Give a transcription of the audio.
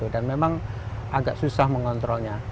dan memang agak susah mengontrolnya